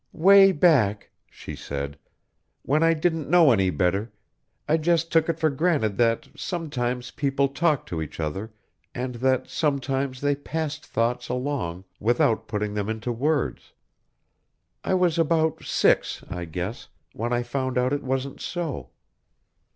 "Way back," she said, "when I didn't know any better, I just took it for granted that sometimes people talked to each other and that sometimes they passed thoughts along without putting them into words. I was about six, I guess, when I found out it wasn't so."